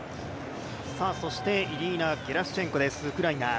そしてイリナ・ゲラシュチェンコです、ウクライナ。